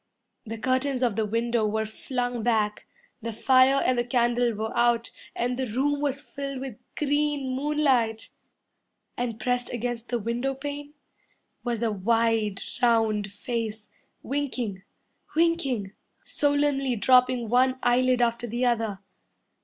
The curtains of the window were flung back, The fire and the candle were out, And the room was filled with green moonlight. And pressed against the window pane Was a wide, round face, Winking winking Solemnly dropping one eyelid after the other.